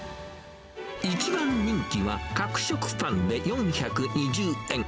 一番人気は角食パンで４２０円。